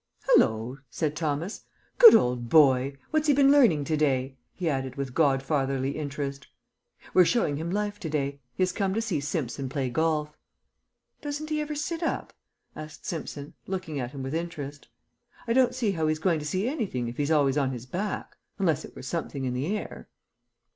"Hallo!" said Thomas. "Good old boy! What's he been learning to day?" he added, with godfatherly interest. "We're showing him life to day. He has come to see Simpson play golf." "Doesn't he ever sit up?" asked Simpson, looking at him with interest. "I don't see how he's going to see anything if he's always on his back. Unless it were something in the air."